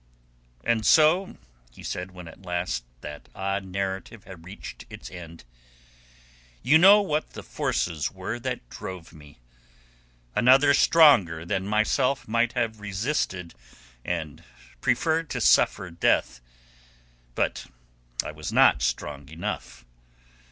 "And so," he said, when at last that odd narrative had reached its end, "you know what the forces were that drove me. Another stronger than myself might have resisted and preferred to suffer death. But I was not strong enough.